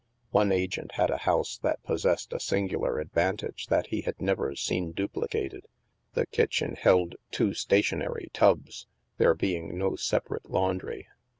One agent had a house that possessed a singular advantage that he had never seen dupli cated. The kitchen held two stationary tubs, there being no separate laundry.